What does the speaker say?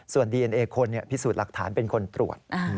ส่วนดีเอ็นเอคนพิสูจน์หลักฐานเป็นคนตรวจ